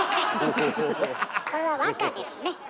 これは和歌ですね。